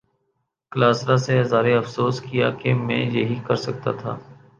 کلاسرا سے اظہار افسوس کیا کہ میں یہی کر سکتا تھا۔